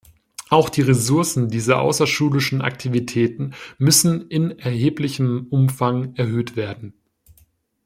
Auch die Ressourcen dieser außerschulischen Aktivitäten müssen in erheblichem Umfang erhöht werden.